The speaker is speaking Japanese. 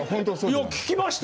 いや聞きました。